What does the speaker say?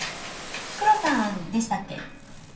クロさんでしたっけ？